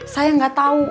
saya gak tahu